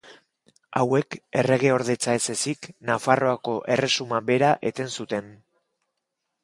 Hauek erregeordetza ez ezik Nafarroako Erresuma bera eten zuen.